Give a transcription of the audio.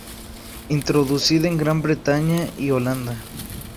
Introducida en Gran Bretaña y Holanda.